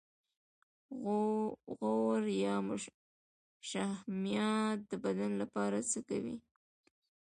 غوړ یا شحمیات د بدن لپاره څه کوي